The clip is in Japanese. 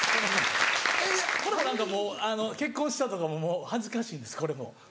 これも何かもう結婚したとかももう恥ずかしいんですこれも。